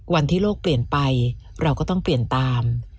วันที่โลกเปลี่ยนไปเราก็ต้องเปลี่ยนตาม